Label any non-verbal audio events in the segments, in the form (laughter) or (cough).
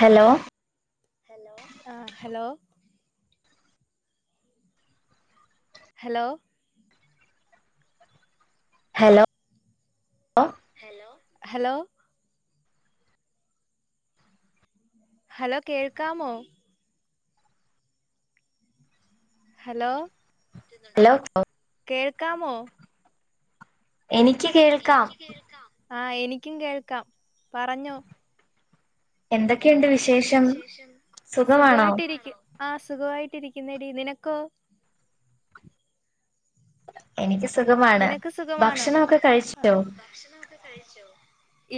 Hello hello ആഹ് hello hello hello hello hello കേൾക്കാമോ hello കേൾക്കാമോ എനിക്ക് കേൾക്കാം ആഹ് എനിക്കും കേൾക്കാം പറഞ്ഞോ എന്തൊക്കെയുണ്ട് വിശേഷം സുഖമായിട്ടിരി ആഹ് സുഖവായിട്ടിരിക്കുന്നെടി നിനക്കോ എനിക്ക് സുഖമാ നിനക്ക് സുഖമാണോ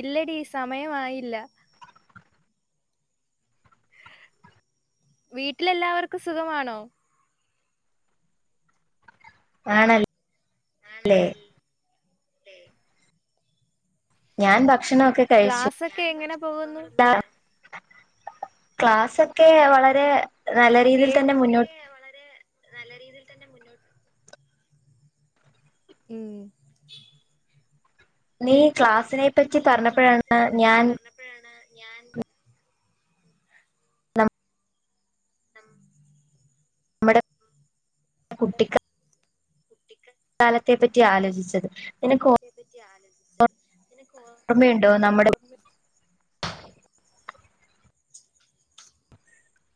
ഇല്ലടീ സമയമായില്ല വീട്ടിലെല്ലാവർക്കും സുഖമാണോ ആണല്ല് ആണ ല്ലേ ഞാൻ ഭക്ഷണൊക്കെ ക്ലാസ്റ്റൊക്കെ എങ്ങനെ പോവുന്നു ക്ലാസ്റ്റൊക്കെ വളരെ നല്ല രീതിയിൽ തന്നെ മുന്നോട്ട് നല്ല രീതിയിൽ തന്നെ മുന്നോട്ട് ഉം നീ ക്ലാസിനെ പറ്റി പറഞ്ഞപ്പഴാണ് ഞാൻ എപ്പഴാണ് ഞാൻ ന്നം ന്നം നമ്മടെ കുട്ടിക്കാ കാലത്തെ പറ്റി ആലോചിച്ചത് നിനക്ക് ഓർ പറ്റി ആലോചിച്ചത് നിനക്ക് ഓർ ഓർമ്മയുണ്ടോ നമ്മടെ മ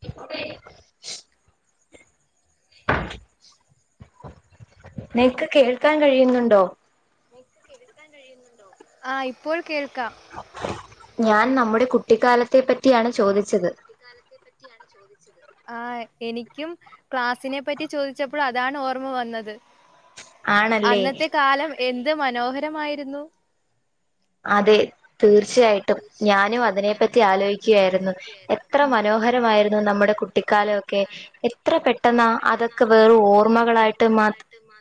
ഇണ്ടയ് നിക്ക് കേൾക്കാൻ കഴിയുന്നുണ്ടോ ആഹ് ഇപ്പോൾ കേൾക്കാം ഞാൻ നമ്മുടെ കുട്ടിക്കാലത്തെ പറ്റിയാണ് ചോദിച്ചത് കുട്ടിക്കാലത്തെ പറ്റിയാണ് ചോദ് ദിച്ചത് ആഹ് എനിക്കും ക്ലാസിനെ പറ്റി ചോദിച്ചപ്പോൾ അതാണ് ഓർമ്മ വന്നത് അന്നത്തെ കാലം എന്ത് മനോഹരമായിരുന്നു. അതെ തീർച്ചയായിട്ടും. ഞാനും അതിനെ പറ്റി ആലോചിക്കുകയായിരുന്നു. എ ത്ര മനോഹരമായിരുന്നു നമ്മുടെ കുട്ടിക്കാലവൊക്കെ എത്ര പെട്ടെന്ന് അതൊക്കെ വേറും ഓർമ്മകളാ മകളായിട്ട് മ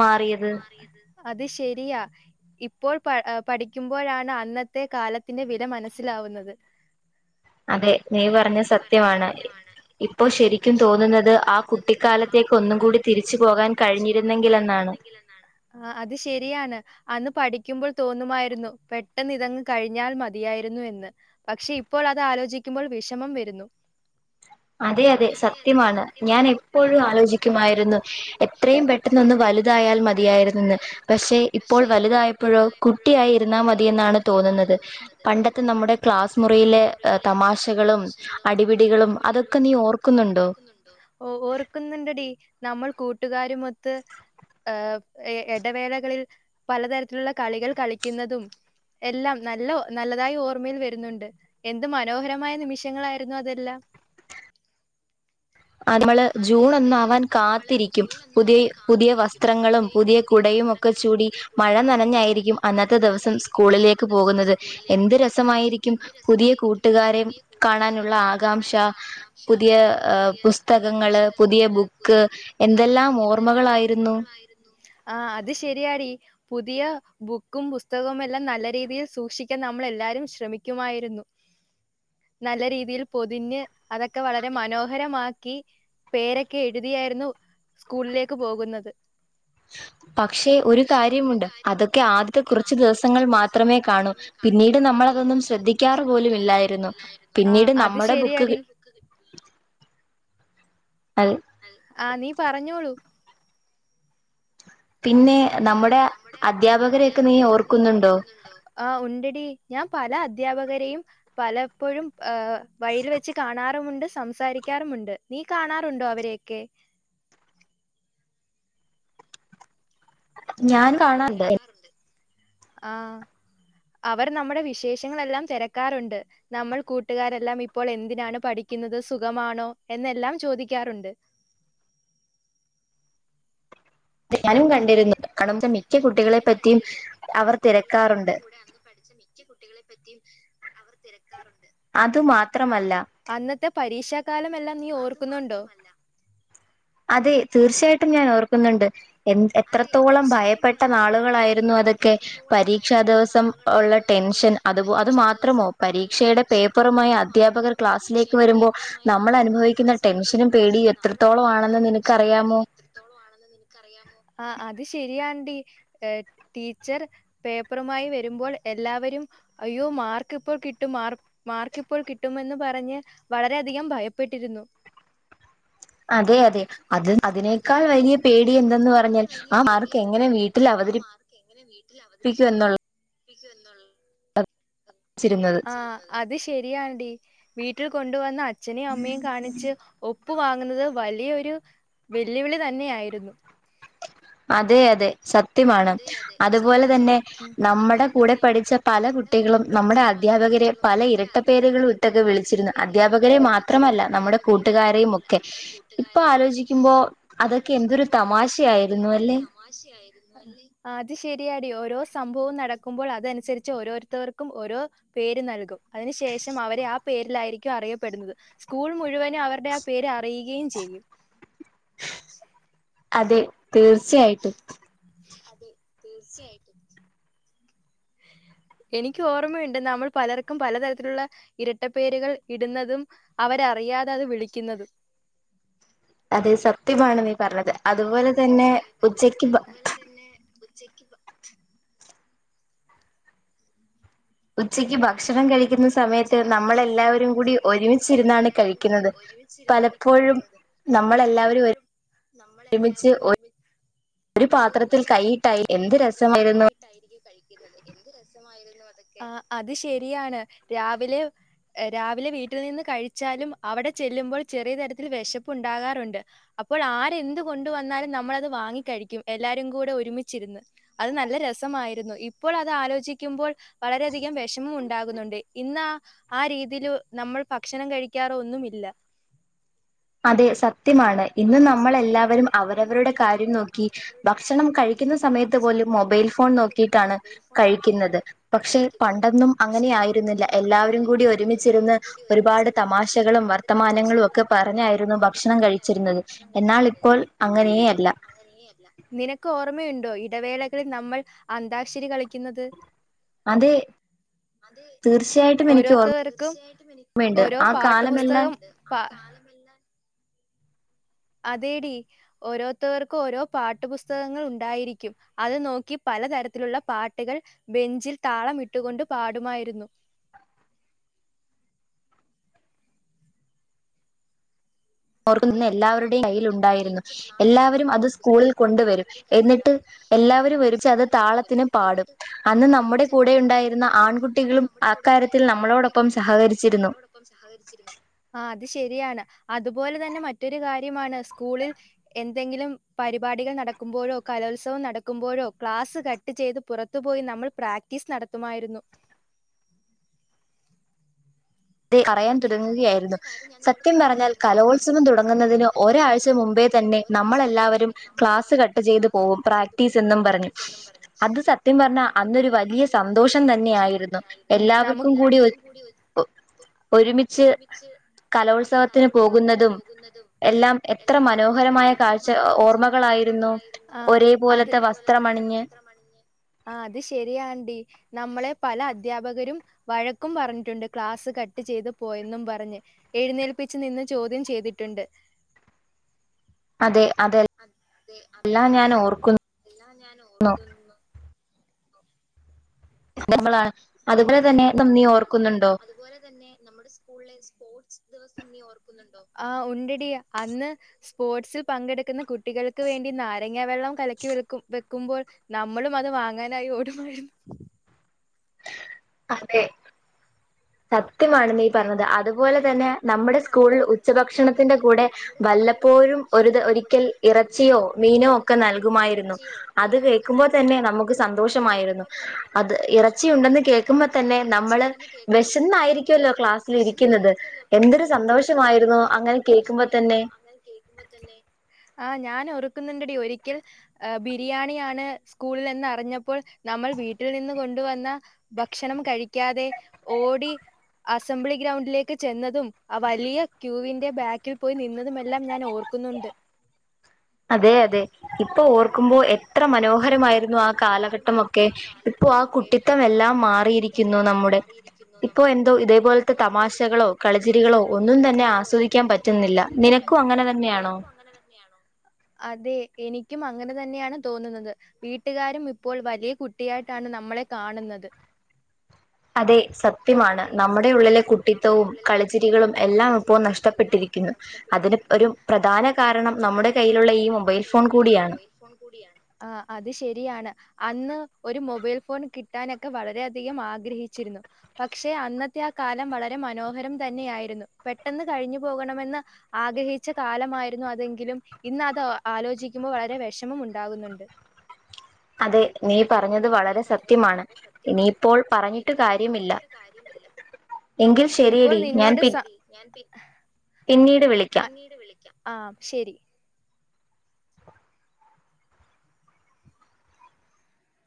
മാറിയത് റിയത്. അത് ശെരിയാ ഇപ്പോൾ പ എഹ് പഠിക്കുമ്പോഴാണ് അന്നത്തെ കാലത്തിന്റെ വില മനസ്സിലാവുന്നത്. അതെ നീ പറഞ്ഞ സത്യമാണ്. ഇപ്പോ ശരിക്കും തോന്നുന്നത് ആ ന്നുന്നത് ആ കുട്ടിക്കാലത്തേക്ക് ഒന്നും കൂടി തിരിച്ചു പോകാൻ കഴിഞ്ഞിരുന്നെങ്കിൽ എന്നാണ്. ആഹ് അത് ശെരിയാണ്. അന്ന് പഠിക്കുമ്പോൾ തോന്നുമായിരുന്നു പെട്ടെന്ന് ഇതങ്ങ് കഴിഞ്ഞാൽ മതിയായിരുന്നു എന്ന്. പക്ഷെ ഇപ്പോൾ അത് ആലോചിക്കുമ്പോൾ വിഷമം വരുന്നു അതെ അതെ സത്യമാണ് ഞാൻ എപ്പോഴും ആലോചിക്കുമായിരുന്നു എത്രയും പെ ട്ടെന്നൊന്ന് വലുതായാൽ മതിയായിരുന്നെന്ന്. പക്ഷെ ഇപ്പോൾ വലുതായപ്പഴോ കുട്ടിയായിരുന്നാ മതി എന്നാണ് തോന്നുന്നത്. പണ്ടത്തെ നമ്മുടെ ക്ലാസ് മുറിയിലെ തമാശ് ശകളും അടിപിടികളും അതൊ അതൊക്കെ നീ ഓർക്കുന്നുണ്ടോ? ഓർക്കുന്നുണ്ടെടി നമ്മൾ കൂട്ടുകാരുമൊത്ത് ഏഹ് എടവേളകളിൽ പലതരത്തിലുള്ള കളികൾ കളിക്കുന്നതും എല്ലാം നല്ല നല്ലതായി ഓർമ്മയിൽ വരുന്നുണ്ട്. എന്ത് മ നോഹരമായ നിമിഷങ്ങളായിരുന്നു അതെല്ലാം. ആഹ് നമ്മള് ജൂൺ ഒന്നാവാൻ കാത്തിരിക്കും പുതിയ പുതിയ വസ്ത്രങ്ങളും പുതിയ കുടയും ഒ ക്ക ചൂടി മഴ നനഞ്ഞായിരിക്കും അന്നത്തെ ദിവസം സ്കൂളിലേക്ക് പോകുന്നത്. എന്ത് രസമായിരി ക്കും. പുതിയ കൂട്ടുകാരെ കാണാനുള്ള ആകാംക്ഷ പുതിയ ഏഹ് പുസ്തകങ്ങള് പുതിയ ബുക്ക് എന്തെല്ലാം ഓർമ്മകളായിരുന്നു ആഹ് അത് ശെരിയാടി പുതിയ ബുക്കും പുസ്തകവുമെല്ലാം നല്ല രീതിയിൽ സൂക്ഷിക്കാൻ നമ്മൾ എല്ലാരും ശ്രമിക്കുമായിരുന്നു. നല്ല രീതിയിൽ പൊതിഞ്ഞ് അതൊക്കെ വളരെ മനോഹരമാക്കി പേരൊക്കെ എഴുതിയായിരുന്നു സ്കൂളിലേക്ക് പോകുന്നത് പക്ഷെ ഒരു കാര്യമുണ്ട് അതൊക്കെ ആദ്യത്തെ കുറച്ച് ദിവസങ്ങൾ മാത്രമേ കാണൂ. പിന്നീട് നമ്മൾ അതൊന്നും ശ്രദ്ധിക്കാറ് പോലും ഇല്ലായിരുന്നു പിന്നീട് നമ്മുടെ ബുക്ക് അഹ്. ആഹ് നീ പറഞ്ഞോളൂ. പിന്നെ നമ്മുടെ അദ്ധ്യാപകരെയൊക്കെ നീ ഓർക്കുന്നുണ്ടോ? ആഹ്. ഉണ്ടെടി ഞാൻ പല അദ്ധ്യാപകരെയും പലപ്പോഴും ഏഹ് വഴിയിൽ വെച്ച് കാണാറുമുണ്ട് സം സാരിക്കാറുമുണ്ട്. നീ കാണാറുണ്ടോ അവരെയൊക്കെ. ഞാൻ തിരക്കാറുണ്ട്. ആഹ്. അവർ നമ്മുടെ വിശേഷങ്ങളെല്ലാം തെരക്കാറുണ്ട്. നമ്മൾ കൂട്ടുകാരെല്ലാം ഇപ്പോൾ എന്തിനാണ് പഠിക്കുന്നത് സുഖമാണോ എന്നെല്ലാം ചോദിക്കാറുണ്ട്. തെ ഞാനും കണ്ടിരുന്നു. അതെ ഞാനും കണ്ടിരുന്നു കാണുമ്പോഴെല്ലാം നമ്മുടെ കൂടെ അന്ന് പഠിച്ച മി മിക്ക്യ കുട്ടികളെ പറ്റിയും അവർ തിരക്കാറുണ്ട്. അതു മാത്രമല്ല. അന്നത്തെ പരീക്ഷ കാലം എല്ലാം നീ ഓർക്കുന്നുണ്ടോ? അതെ തീർച്ചയായിട്ടും ഞാൻ ഓർക്കുന്നുണ്ട്. എന്ത് എത്രത്തോളം ഭയപ്പെട്ട നാളുകളായിരുന്നു അതൊക്കെ പരീക്ഷാ ദിവസം ഉള്ള ടെൻഷൻ. അത് പോ അത് മാത്രമോ, പരീക്ഷയുടെ പേപ്പറുമായി അധ്യാപകർ ക്ലാസ്സിലേക്ക് വരുമ്പോ നമ്മൾ അനുഭവിക്കുന്ന ടെൻഷനും പേടിയും എത്രത്തോളം ആണെന്ന്. ടെൻഷനും പേടിയും എത്രത്തോളം ആണെന്ന് നിനക്കറിയാമോ. ആഹ് അത് ശരിയാൺണ്ടി. ഏഹ് ടീച്ചർ പേപ്പറുമായി വരുമ്പോൾ എല്ലാവരും. അയ്യോ മാർക്ക് ഇപ്പോൾ കിട്ടും മാർ മാർക്ക് ഇപ്പോൾ കിട്ടുമെന്ന് പറഞ്ഞ് വളരെയധികം ഭയപ്പെട്ടിരുന്നു. അതെ അതെ അത്. അതിനേക്കാൾ വലിയ പേടി എന്തെന്ന് പറഞ്ഞാൽ ആ മാർക് എങ്ങനെ വീട്ടിൽ അവതരിപി എങ്ങനെ വീട്ടിൽ അവതരിപ്പിക്കും എന്നുള്ളതാ ആഹ് അത് ശരിയാണ്ടീ വീട്ടിൽ കൊണ്ടുവന്ന് അച്ഛനേയും അമ്മയും കാണിച്ച്. ഒപ്പ് വാങ്ങുന്നത് വലിയൊരു വെല്ലുവിളി തന്നെയ ആയിരുന്നു. അതെ അതെ സ ത്യമാണ് അതുപോലെ തന്നെ നമ്മുടെ കൂടെ പഠിച്ച പല കുട്ടികളും നമ്മുടെ അദ്ധ്യാപകര്. പല ഇരട്ടപ്പേരുകളും ഇട്ടൊക്കെ വിളിച്ചിരുന്നു അധ്യാപകരെ മാത്രമല്ല നമ്മുടെ കൂട്ടുകാരെയുമൊക്കെ. ഇപ്പൊ ആലോചിക്കുമ്പോ അതൊക്കെ എന്തൊരു തമാശ അതൊക്കെ എന്തൊരു തമാശയായിരുന്നു. അത് ശരിയടി ഓരോ സംഭവം നടക്കുമ്പോൾ അതനുസരിച്ച് ഓരോരുത്തവർക്കും ഓരോ. പേര് നൽകും അതിനു ശേഷം അവരെ ആ പേരിലായിരിക്കും അറിയപ്പെടുന്നത്. സ്കൂൾ മുഴുവനും അവരുടെ ആ പേര് അറിയുകയും ചെയ്യും. അതെ തീർച്ചയായിട്ടും. അതെ തീർച്ചയായിട്ടും. എനിക്ക് ഓർമ്മയുണ്ട് നമ്മൾ പലർക്കും പലതരത്തിലുള്ള ഇരട്ടപ്പേരുകൾ ഇടുന്നതും. അവരറിയാതെ അത് വിളിക്കുന്നതും. അതെ സത്യമാണ് നീ പറഞ്ഞത് അതുപോലെ തന്നെ ഉച്ചക്ക് ഭ തന്നെ ഉച്ചയ്ക്ക് ഭ ഉച്ചയ്ക്ക് ഭക്ഷണം കഴിക്കുന്ന. ഉച്ചക്ക് ഭക്ഷണം കഴിക്കുന്ന സമയത്ത് നമ്മൾഎല്ലാവരും കൂടി ഒരുമിച്ചിരുന്നാണ് കഴിക്കുന്നത്. നമ്മളെല്ലാവരും ഒര് നമ്മളെല്ലാവരും ഒരുമി ഒരു പാത്രത്തിൽ കൈയിട്ടായി എന്ത് രസമായിരുന്നു. അത് ശരിയാണ് രാവിലെ. രാവിലെ വീട്ടിൽ നിന്ന് കഴിച്ചാലും അവിടെ ചെല്ലുമ്പോൾ ചെറിയ തരത്തിൽ വിശപ്പുണ്ടാകാറുണ്ട് അപ്പോൾ ആരെന്ത് കൊണ്ട് വന്നാലും നമ്മൾ അത് വാങ്ങി കഴിക്കും എല്ലാരും കൂടെ ഒരുമിച്ചിരുന്ന് അത് നല്ല രസമായിരുന്നു ഇപ്പോൾ അത് ആലോചിക്കുമ്പോൾ വളരെയധികം വെഷമം ഉണ്ടാകുന്നുണ്ട് ഇന്നാ ആ രീതിയിൽ നമ്മൾ ഭക്ഷണം കഴിക്കാറോ ഒന്നുമില്ല അതെ സത്യമാണ് ഇന്ന് നമ്മൾ എല്ലാവരും അവരവരുടെ കാര്യം നോക്കി ഭക്ഷണം കഴിക്കുന്ന സമയത്ത് പോലും മൊബൈൽ ഫോൺ നോക്കി യിട്ടാണ് കഴിക്കുന്നത് പക്ഷെ പണ്ടൊന്നും അങ്ങനെ ആയിരുന്നില്ല എല്ലാവരും കൂടി ഒരുമിച്ചിരുന്ന് ഒരുപാട് തമാശകളും വർത്തമാനങ്ങളും ഒക്കെ പറഞ്ഞായിരുന്നു ഭക്ഷണം കഴിച്ചിരുന്നത് ഭക്ഷണം കഴിച്ചിരുന്നത് എന്നാൽ ഇപ്പോൾ അ നിനക്ക് ഓർമ്മയുണ്ടോ ഇടവേളകളിൽ നമ്മൾ അന്താക്ഷരി കളിക്കുന്നത് അതെ ഓരോരുത്തവർക്കും ഓരോ പാട്ട്പുസ്തകം പാ അതേടി ഓരോരുത്തവർക്കും ഓരോ പാട്ട്പുസ്തകങ്ങൾ ഉണ്ടായിരിക്കും അത് നോക്കി പലതരത്തിലുള്ള പാട്ടുകൾ ബെഞ്ചിൽ താളം ഇട്ടുകൊണ്ട് പാടുമായിരുന്നു ഓർക്കുന്നു എല്ലാവരുടെയും കയ്യിൽ ഉണ്ടായിരുന്നു എല്ലാവരും അത് സ്കൂളിൽ കൊണ്ടുവരും എന്നിട്ട് എല്ലാവരും അത് താളത്തിന് പാടും അന്ന് നമ്മുടെ കൂടെ ഉണ്ടായിരുന്ന ആൺകുട്ടികളും അക്കാര്യത്തിൽ നമ്മളോടൊപ്പം സഹകരിച്ചിരുന്നു സഹകരിച്ചിരുന്നു ആഹ് അത് ശരിയാണ് അത് പോലെ തന്നെ മറ്റൊരു കാര്യമാണ് സ്കൂളിൽ എന്തെങ്കിലും പരിപാടികൾ നടക്കുമ്പോഴോ കലോത്സവം നടക്കുമ്പോഴോ ക്ലാസ് കട്ട് ചെയ്ത് പുറത്ത് പോയി നമ്മൾ പ്രാക്ടീസ് നടത്തുമായിരുന്നു പറയാൻ തുടങ്ങുകയായിരുന്നു സത്യം പറഞ്ഞാൽ കലോത്സവം തുടങ്ങുന്നതിന് ഒരാഴ്ച മുമ്പേ തന്നെ നമ്മളെല്ലാവരും ക്ലാസ് കട്ട് ചെയ്ത് പോകും പ്രാക്ടീസ് എന്നും പറഞ്ഞു അത് സത് സത്യം പറഞ്ഞാ അന്നൊരു വലിയ സന്തോഷം തന്നെ ആയിരുന്നു എല്ലാവർക്കും കൂടി ഒരു ഒരുമിച്ച് കലോത്സവത്തിന് പോകുന്നതും എല്ലാം എത്ര മനോഹരമായ കാഴ്ച ഓർമ്മകളായി ആഹ് ഒരേ പോലത്തെ വസ്ത്ര മണിഞ്ഞ് ആഹ് അത് ശരിയാണ് ടീ നമ്മളെ പല അദ്ധ്യാപകരും വഴക്കും പറഞ്ഞിട്ടുണ്ട് ക്ലാസ് കട്ട് കട്ട് ചെയ്ത് പോയെന്നും പറഞ്ഞ് എഴുന്നേൽപ്പിച്ച് നിന്ന് ചോദ്യം ചെയ്തിട്ടുണ്ട് അതെ അതെ എല്ലാം ഞാൻ ഓർക്കുന്നു (inaudible) നമ്മളാണ് എന്തെല്ലാം ഓർമ്മകളാണ് അതുപോലെ തന്നെ നമ്മുടെ സ്കൂളിലെ സ്പോർട്സ് ദിവസം ഓർക്കുന്നുണ്ടോ ഉണ്ടെടീ അന്ന് സ്പോർട്സിൽ പങ്കെടുക്കുന്ന കുട്ടികൾക്ക് വേണ്ടി നാ നാരങ്ങ വെള്ളം കലക്കി വെക്കും വെക്കുമ്പോൾ നമ്മളും അത് വാങ്ങാനായി ഓടുമായിരുന്നു അതെ സത്യമാണ് നീ പറഞ്ഞത് അതുപോലെ തന്നെ നമ്മുടെ സ്കൂളിൽ ഉച്ചഭക്ഷണത്തിന്റെ കൂടെ വല്ലപ്പോഴും ഒരു ദിവ ഒരിക്കൽ ഇറച്ചിയോ മീനോ ഒക്കെ നൽകുമായിരുന്നു അത് കേക്കുമ്പോ തന്നെ നമുക്ക് സന്തോഷമായിരുന്നു അത് ഇറ ഇറച്ചിയുണ്ടെന്ന് കേക്കുമ്പത്തന്നെ നമ്മള് വെശന്നായിരി (unintelligible) ക്ലാസിൽ ഇരിക്കുന്നത് എന്തൊരു സന്തോഷമായിരുന്നു അങ്ങനെ കേക്കുമ്പൊ തന്നെ അങ്ങനെ കേക്കുമ്പൊത്തന്നെ ആഹ് ഞാനോർക്കുന്നുണ്ടെടീ ഒരിക്കൽ ഏഹ് ബിരിയാണിയാണ് സ്കൂളിലെന്ന് അറിഞ്ഞപ്പോൾ നമ്മൾ വീട്ടിൽ നിന്ന് കൊണ്ടുവന്ന ഭക്ഷണം കഴിക്കാതെ ഓടി അസംബ്ലി ഗ്രൗണ്ടിലേക്ക് ചെന്നതും ആഹ് വലിയ ക്യൂവിന്റെ ബാക്ക് ക്കിൽ പോയി നിന്നതുമെല്ലാം ഞാൻ ഓർക്കുന്നുണ്ട് അതെ അതെ ഇപ്പൊ ഓർക്കുമ്പോ എത്ര മനോഹരമായിരുന്നു ആഹ് കാലഘട്ടമൊ ക്കെ ഇപ്പൊ ആ കുട്ടിത്തം എല്ലാം മാറിയിരിക്കുന്നു നമ്മുടെ ഇപ്പൊ എന്തോ ഇതേപോലെ ത്തെ തമാശകളോ കളചിരികളോ ഒന്നും തന്നെ ആസ്വദിക്കാൻ പറ്റുന്നില്ല നിനക്കും അങ്ങനെ തന്നെയാണോ അതെ എനിക്കും അങ്ങനെ തന്നെയാണ് തോന്നുന്നത് വീട്ടുകാരും ഇപ്പോൾ വലിയ കുട്ടിയായിട്ടാണ് നമ്മളെ കാണുന്നത്, അതെ സത് കൃത്യമാണ് നമ്മുടെ ഉള്ളിലെ കുട്ടിത്തവും കളിച്ചിരികളും എല്ലാം ഇപ്പോ നഷ്ടപ്പെട്ടിരിക്കുന്നു, അതിന് ഒരു പ്രധാന കാരണം നമ്മുടെ കയ്യിലുള്ള ഈ മൊബൈൽ ഫോൺ കൂടിയാണ് മൊബൈൽ ഫോൺ കൂടിയാണ് ആഹ് അത് ശരിയാണ് അന്ന് ഒരു മൊബൈൽ ഫോൺ കിട്ടാനൊക്കെ വളരെയധികം ആഗ്രഹിച്ചിരുന്നു, പക്ഷെ അന്നത്തെ ആ കാലം വളരെ മനോഹരം തന്നെയായിരുന്നു പെട്ടെന്ന് കഴിഞ്ഞു പോകണമെന്ന് ആഗ്രഹിച്ച കാലമായിരുന്നു അതെങ്കിലും ഇന്ന് അത് ആലോചിക്കുമ്പോൾ വളരെ വെഷമം ഉണ്ടാകുന്നുണ്ട് (inaudible) അതെ നീ പറഞ്ഞത് വളരെ സത്യമാണ് ഇനിയിപ്പോൾ പറഞ്ഞിട്ട് കാര്യമില്ല ഇപ്പോൾ നിന്നോട് സൊ ഞാൻ പി പിന്നീട് വിളിക്കാം ആഹ് ശെരി